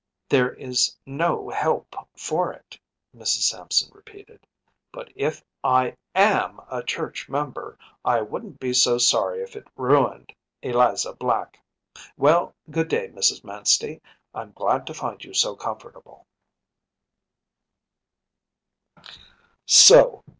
“There is no help for it,‚ÄĚ Mrs. Sampson repeated, “but if I AM a church member, I wouldn’t be so sorry if it ruined Eliza Black. Well, good day, Mrs. Manstey; I’m glad to find you so comfortable.